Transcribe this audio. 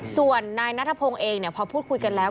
ส่วนนายนัทพงศ์เองพอพูดคุยกันแล้ว